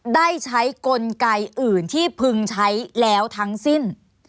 ได้ใช้กลไกอื่นที่พึงใช้แล้วทั้งสิ้น